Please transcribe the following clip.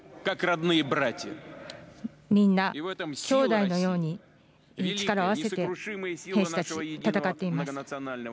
みんな兄弟のように力を合わせて兵士たち、戦っています。